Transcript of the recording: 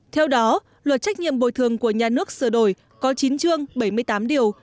theo đó luật trách nhiệm bồi thường của nhà nước sửa đổi có chín chương bảy mươi tám điều